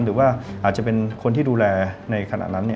หรือว่าอาจจะเป็นคนที่ดูแลในขณะนั้น